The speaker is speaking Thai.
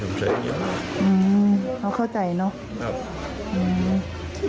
เพราะพ่อเชื่อกับจ้างหักข้าวโพด